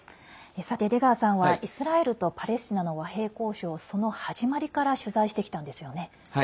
さて出川さんはイスラエルとパレスチナの和平交渉をその始まりから取材してきたんですよね。